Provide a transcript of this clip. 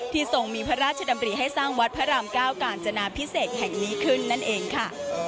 ทรงมีพระราชดำริให้สร้างวัดพระรามเก้ากาญจนาพิเศษแห่งนี้ขึ้นนั่นเองค่ะ